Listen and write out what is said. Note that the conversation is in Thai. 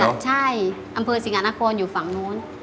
บ้านบ่อสะใช่อำเภอสิงหะนครอยู่ฝั่งโน้น